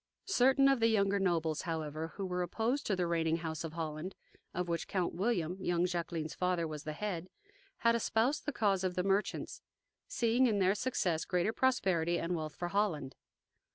Certain of the younger nobles, however, who were opposed to the reigning house of Holland, of which Count William, young Jacqueline's father, was the head, had espoused the cause of the merchants, seeing in their success greater prosperity and wealth for Holland.